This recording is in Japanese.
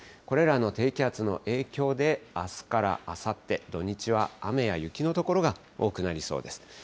これらの低気圧の影響で、あすからあさって、土日は雨や雪の所が多くなりそうです。